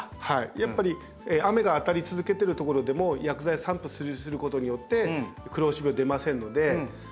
やっぱり雨が当たり続けてる所でも薬剤散布することによって黒星病出ませんので。